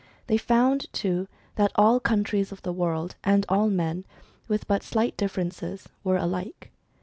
They found too, that all countries of the world, and all men, with but slight differences, were alike.